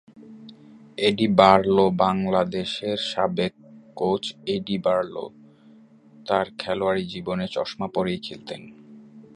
এডি বারলোবাংলাদেশের সাবেক coach Eddie Barlow তাঁর খেলোয়াড়ি জীবনে চশমা পরেই খেলতেন।